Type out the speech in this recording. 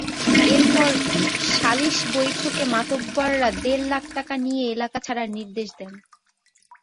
এরপর সালিস বৈঠকে মাতবরেরা দেড় লাখ টাকা নিয়ে এলাকা ছাড়ার নির্দেশ দেন।